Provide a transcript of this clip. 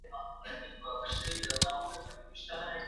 اورېدل تر لیکلو اسانه کار دی.